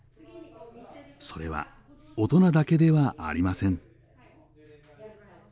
それは大人だけではありません。